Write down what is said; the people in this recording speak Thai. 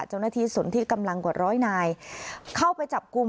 สนที่กำลังกว่าร้อยนายเข้าไปจับกลุ่ม